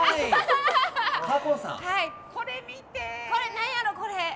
何やろう、これ。